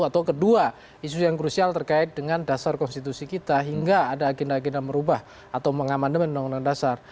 atau kedua isu yang krusial terkait dengan dasar konstitusi kita hingga ada agenda agenda merubah atau mengamandemen undang undang dasar